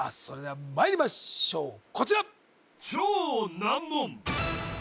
それではまいりましょうこちら